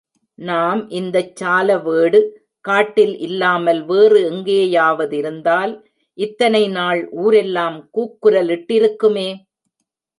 நாம் இந்தச் சாலவேடு காட்டில் இல்லாமல் வேறு எங்கேயாவதிருந்தால் இத்தனை நாள் ஊரெல்லாம் கூக்குரலிட்டிருக்குமே?